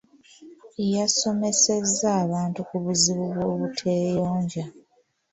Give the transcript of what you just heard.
Yasomesezza abantu ku buzibu bw'obuteeyonja.